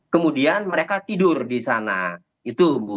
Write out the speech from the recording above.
kemudian mereka tidur di sana itu bu